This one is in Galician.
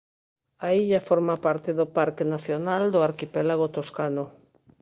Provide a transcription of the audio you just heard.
A illa forma parte do Parque Nacional do Arquipélago Toscano.